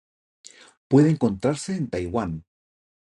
Puede encontrarse en Taiwan.